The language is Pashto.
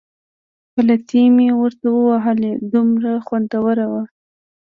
پلتۍ مې ورته ووهله، دومره خوندوره وه.